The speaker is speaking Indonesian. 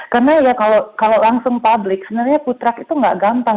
karena ya kalau langsung publik sebenarnya food truck itu nggak gampang